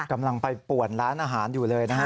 กำลังไปป่วนร้านอาหารอยู่เลยนะฮะ